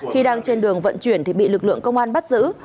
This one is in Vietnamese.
khi đang trên đường vận chuyển thì bị lực lượng công an bắt giữ